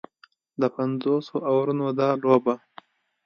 د پنځوسو اورونو دا لوبه